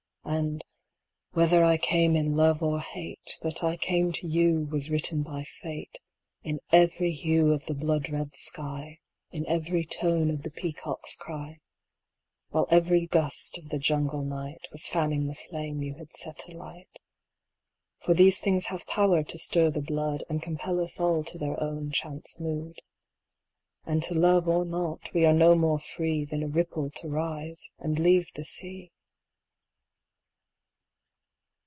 12 And, whether I came in love or hate, The Teak That I came to you was written by Fate Forest In every hue of the blood red sky, In every tone of the peacocks' cry. While every gust of the Jungle night Was fanning the flame you had set alight. For these things have power to stir the blood And compel us all to their own chance mood. And to love or not we are no more free Than a ripple to rise and leave the sea.